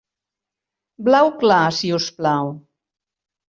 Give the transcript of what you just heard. Blau clar, si us plau.